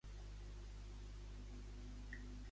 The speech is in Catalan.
Em faries el favor de parar-te durant una micona?